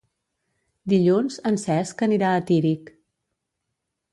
Dilluns en Cesc anirà a Tírig.